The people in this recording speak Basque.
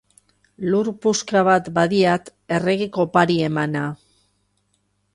Lur puska bat badiat, erregek opari emana.